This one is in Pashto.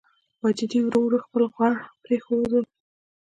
واجدې ورو ورو خپل غوړ پرېښودل.